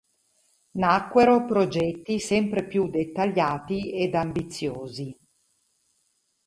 Nacquero progetti sempre più dettagliati ed ambiziosi.